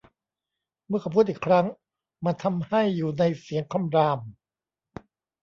เมื่อเขาพูดอีกครั้ง มันทำให้อยู่ในเสียงคำราม